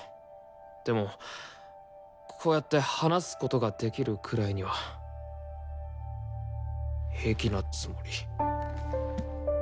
でもこうやって話すことができるくらいには平気なつもり。